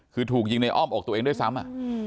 คือถูกยิงในอ้อมอกตัวเองด้วยซ้ำ